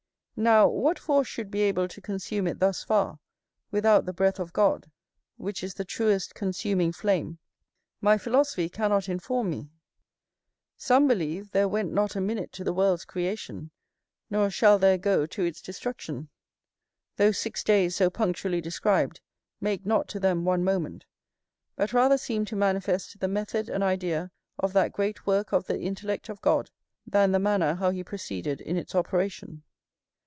Now, what force should be able to consume it thus far, without the breath of God, which is the truest consuming flame, my philosophy cannot inform me. Some believe there went not a minute to the world's creation, nor shall there go to its destruction; those six days, so punctually described, make not to them one moment, but rather seem to manifest the method and idea of that great work of the intellect of God than the manner how he proceeded in its operation.